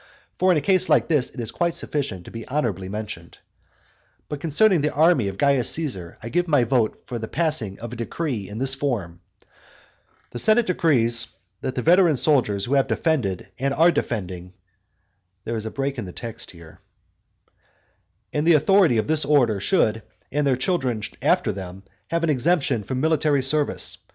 For in a case like this it is quite sufficient to be honourably mentioned. But concerning the army of Caius Caesar, I give my vote for the passing of a decree in this form: "The senate decrees that the veteran soldiers who have defended and are defending [lacuna] of Caesar, pontiff [lacuna] and the authority of this order, should, and their children after them, have an exemption from military service.